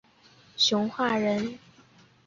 熊化人。